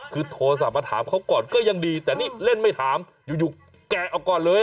คือโทรศัพท์มาถามเขาก่อนก็ยังดีแต่นี่เล่นไม่ถามอยู่แกะเอาก่อนเลย